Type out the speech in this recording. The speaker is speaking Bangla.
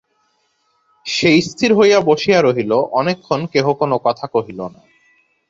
সে স্থির হইয়া বসিয়া রহিল, অনেকক্ষণ কেহ কোনো কথা কহিল না।